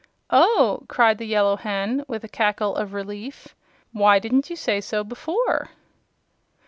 "Oh!" cried the Yellow Hen, with a cackle of relief. "Why didn't you say so before?"